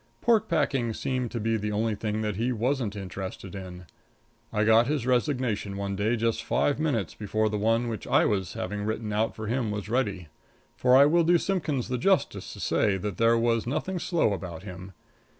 Pork packing seemed to be the only thing that he wasn't interested in. I got his resignation one day just five minutes before the one which I was having written out for him was ready; for I will do Simpkins the justice to say that there was nothing slow about him.